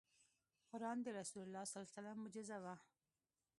قرآن د رسول الله ص معجزه وه .